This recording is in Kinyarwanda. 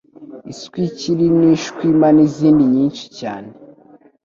iswikiri n'ishwima n'izindi nyinshi cyane.